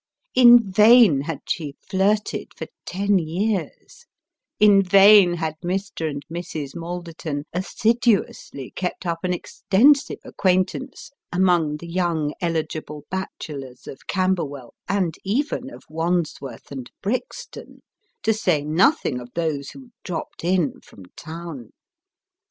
In vain had she flirted for ten years ; in vain had Mr. and Mrs. Malderton assiduously kept up an extensive acquaintance among the young eligible bachelors of Camberwell, and even of Wandsworth and Brixton ; to say nothing of those who " dropped in " from town.